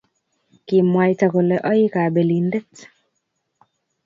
Kimwaita kole oi kobelindet